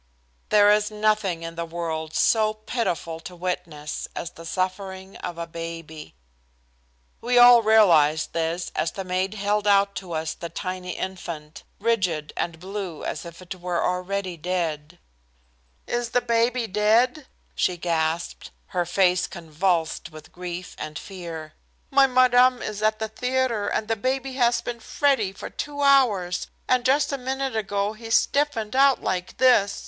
There is nothing in the world so pitiful to witness as the suffering of a baby. We all realized this as the maid held out to us the tiny infant, rigid and blue as if it were already dead. "Is the baby dead?" she gasped, her face convulsed with grief and fear. "My madam is at the theatre, and the baby has been fretty for two hours, and just a minute ago he stiffened out like this.